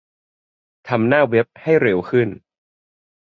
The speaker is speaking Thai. ทำหน้าเว็บให้เร็วขึ้น